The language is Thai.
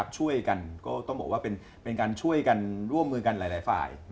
ก็ต้องบอกว่าเป็นการช่วยกันร่วมมือกันหลายฝ่าย